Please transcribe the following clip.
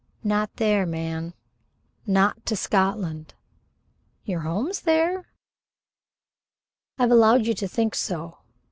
"Not there, man; not to Scotland." "Your home's there." "I have allowed you to think so."